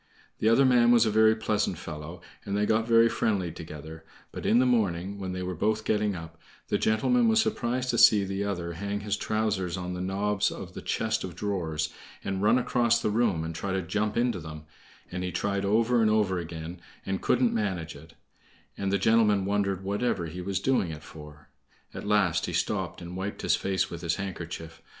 The other man was a very pleasant fellow, and they got very friendly together; but in the morning, when they were both getting up, the gentleman was surprised to see the other hang his trousers on the knobs of the chest of drawers and run across the room and try to jump into them, and he tried over and over again, and couldn't manage it; and the gentleman wondered whatever he was doing it for. At last he stopped and wiped his face with his handkerchief.